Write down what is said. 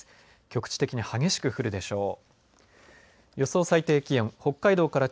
局地的に激しく降るでしょう。